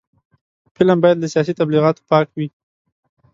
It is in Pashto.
فلم باید له سیاسي تبلیغاتو پاک وي